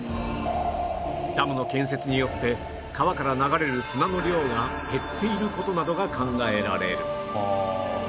ダムの建設によって川から流れる砂の量が減っている事などが考えられる